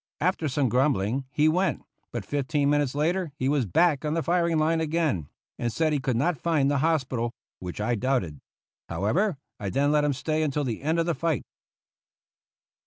After some grumbling he went, but fifteen minutes later he was back on the firing line again and said he could not find the hospital which I doubted. However, I then let him stay until the end of the fight.